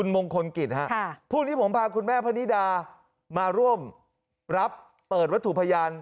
มงคลกิจฮะพรุ่งนี้ผมพาคุณแม่พนิดามาร่วมรับเปิดวัตถุพยาน